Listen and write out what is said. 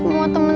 saya mau keluar